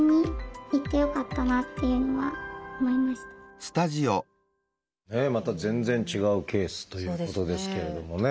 あとやっぱりそのまた全然違うケースということですけれどもね。